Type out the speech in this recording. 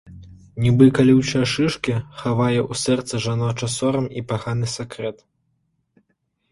Нібы калючыя шышкі, хавае ў сэрцы жаночы сорам і паганы сакрэт.